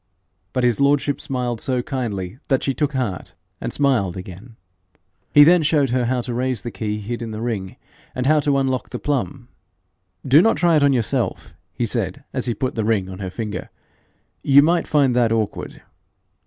But his lordship smiled so kindly that she took heart and smiled again. He then showed her how to raise the key hid in the ring, and how to unlock the plum. 'Do not try it on yourself,' he said, as he put the ring on her finger; 'you might find that awkward.'